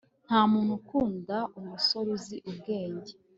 ntamuntu ukunda umusore uzi ubwenge